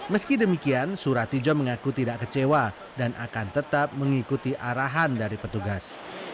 meski demikian suratijo mengaku tidak kecewa dan akan tetap mengikuti arahan dari petugas